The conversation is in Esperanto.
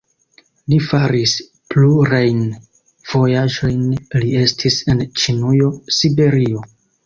Li faris plurajn vojaĝojn, li estis en Ĉinujo, Siberio.